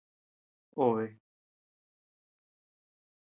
Obe.